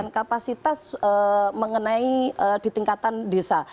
kapasitas mengenai di tingkatan desa